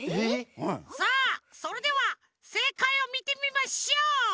さあそれではせいかいをみてみましょう。